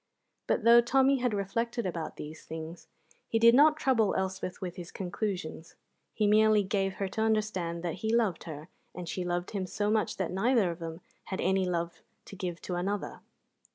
But though Tommy had reflected about these things, he did not trouble Elspeth with his conclusions. He merely gave her to understand that he loved her and she loved him so much that neither of them had any love to give to another.